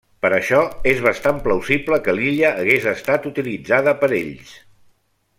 Per això és bastant plausible que l'illa hagués estat utilitzada per ells.